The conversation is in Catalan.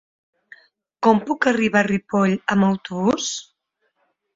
Com puc arribar a Ripoll amb autobús?